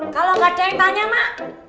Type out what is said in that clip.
kalau gak ada yang tanya mak